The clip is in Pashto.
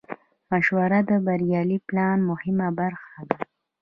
مشوره د بریالي پلان مهمه برخه ده.